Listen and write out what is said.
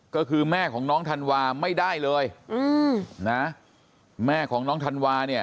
ก็คือแม่ของน้องธันวาไม่ได้เลยแม่ของน้องธันวา